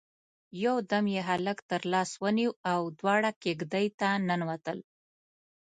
يودم يې هلک تر لاس ونيو او دواړه کېږدۍ ته ننوتل.